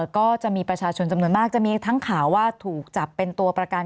ก็จะมีประชาชนจำนวนมากจะมีทั้งข่าวว่าถูกจับเป็นตัวประกัน